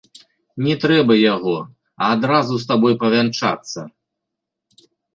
Не трэба яго, а адразу з табой павянчацца.